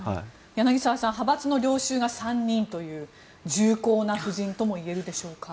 柳澤さん、派閥の領袖が３人という重厚な布陣ともいえるでしょうか。